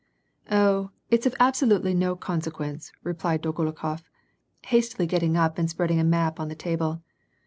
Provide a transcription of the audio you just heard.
"Oh, it is of absolutely no consequence," replied Dolgo rukof, hastily getting up and spreading a map on the table.